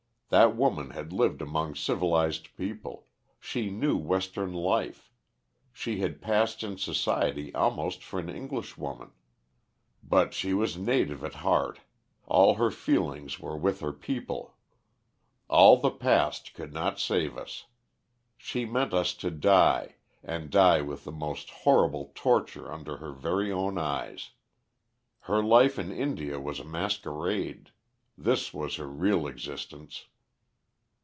That woman had lived among civilized people; she knew Western life; she had passed in Society almost for an Englishwoman. "But she was native at heart; all her feelings were with her people. All the past could not save us. She meant us to die, and die with the most horrible torture under her very own eyes. Her life in India was a masquerade this was her real existence.